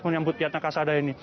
menyambut yatnya kasada ini